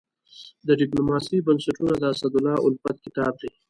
د ډيپلوماسي بنسټونه د اسدالله الفت کتاب دی.